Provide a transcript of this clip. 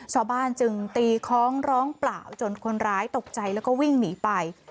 ชาวบ้านจึงตีคล้องร้องเปล่าจนคนร้ายตกใจแล้วก็วิ่งหนีไป